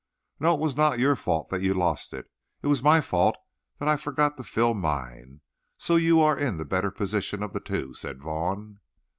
"No, it was not your fault that you lost it. It was my fault that I forgot to fill mine. So you are in the better position of the two," said Vaughn.